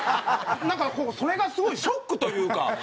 なんかそれがすごいショックというか。